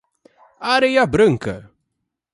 Areia Branca